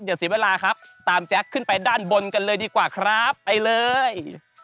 อย่าเสียเวลาครับตามแจ๊คขึ้นไปด้านบนกันเลยดีกว่าครับไปเลย